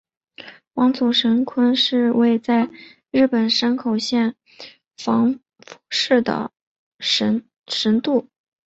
玉祖神社是位在日本山口县防府市的神社。